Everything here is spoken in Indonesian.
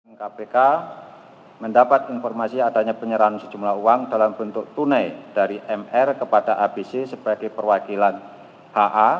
ketua umum kpk mendapat informasi adanya penyerahan sejumlah uang dalam bentuk tunai dari mr kepada abc sebagai perwakilan ha